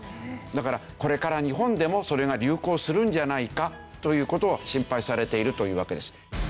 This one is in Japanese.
だからこれから日本でもそれが流行するんじゃないかという事を心配されているというわけです。